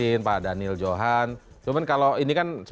untuk di lantar lagi ke